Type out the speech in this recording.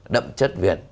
đậm chất việt